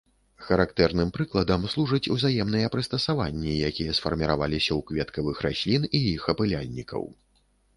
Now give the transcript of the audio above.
Характэрным прыкладам служаць узаемныя прыстасаванні, якія сфарміраваліся ў кветкавых раслін і іх апыляльнікаў.